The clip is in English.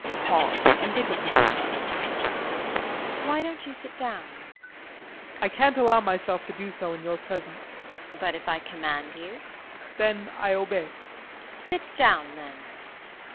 [Pause and they look at each other.] JULIE. Why don't you sit down? JEAN. I can't allow myself to do so in your presence. JULIE. But if I command you? JEAN. Then I obey. JULIE. Sit down then.